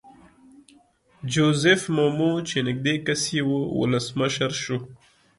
جوزیف مومو چې نږدې کس یې وو ولسمشر شو.